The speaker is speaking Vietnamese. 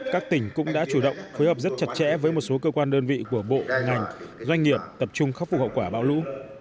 các tỉnh cũng đã chủ động phối hợp rất chặt chẽ với một số cơ quan đơn vị của bộ ngành doanh nghiệp tập trung khắc phục hậu quả bão lũ